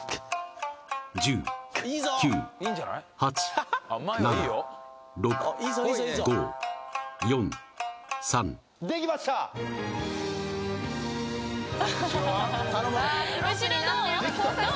１０９８７６５４３できました後ろは？